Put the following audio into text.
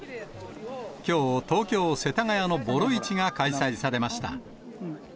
きょう、東京・世田谷のボロ市が開催されました。